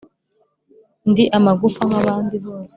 ndi amagufa nkabandi bose,